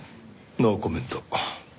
ノーコメント。